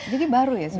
jadi baru ya sebenarnya